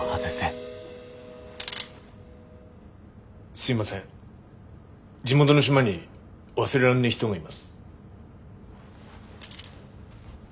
すいません地元の島に忘れらんねえ人がいます。